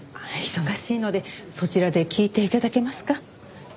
忙しいのでそちらで聞いて頂けますか。